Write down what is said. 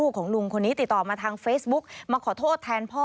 ของลุงคนนี้ติดต่อมาทางเฟซบุ๊กมาขอโทษแทนพ่อ